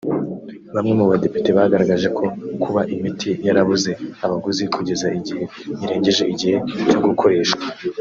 Bamwe mu Badepite bagaragaje ko kuba imiti yarabuze abaguzi kugeza igihe irengeje igihe cyo gukoreshwa